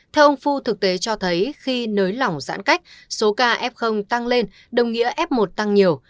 theo ông phu thực tế cho thấy khi nới lỏng giãn cách số ca f tăng lên đồng nghĩa f một tăng nhiều